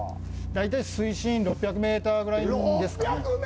大体水深６００メートルぐらいですかね。